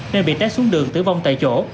nên bị tách xuống đường tử vong tại chỗ